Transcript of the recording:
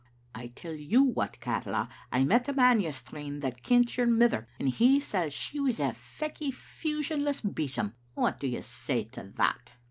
I tell you what, Catlaw, I met a man yestreen that kent your mither, and he says she was a feikie fushionless besom. What do you say to that?"